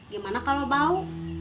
gimana kalau bau